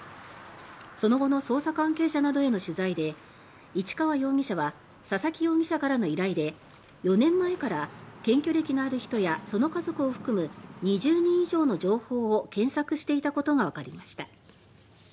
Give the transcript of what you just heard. その後の捜査関係者などへの取材で市川容疑者は佐々木容疑者からの依頼で４年前から検挙歴のある人やその家族を含む２０人以上の情報を検索していたことがわかりました。